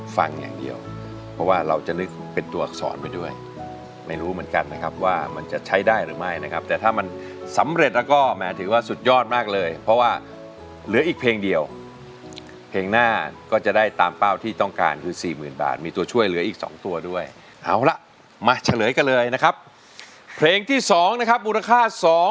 ฟังอย่างเดียวเพราะว่าเราจะนึกเป็นตัวอักษรไปด้วยไม่รู้เหมือนกันนะครับว่ามันจะใช้ได้หรือไม่นะครับแต่ถ้ามันสำเร็จแล้วก็แหมถือว่าสุดยอดมากเลยเพราะว่าเหลืออีกเพลงเดียวเพลงหน้าก็จะได้ตามเป้าที่ต้องการคือสี่หมื่นบาทมีตัวช่วยเหลืออีกสองตัวด้วยเอาละมาเฉลยกันเลยนะครับเพลงที่๒นะครับมูลค่า